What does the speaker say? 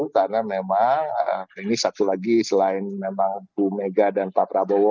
karena memang ini satu lagi selain memang bu mega dan pak prabowo